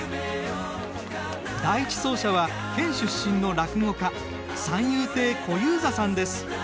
第１走者は県出身の落語家三遊亭小遊三さんです。